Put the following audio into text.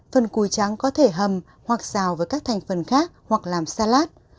phần cùi trắng có thể hầm hoặc xào với các thành phần khác hoặc làm salad